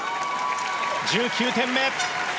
１９点目。